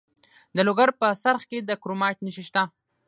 د لوګر په څرخ کې د کرومایټ نښې شته.